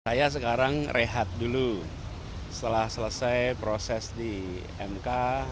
saya sekarang rehat dulu setelah selesai proses di mk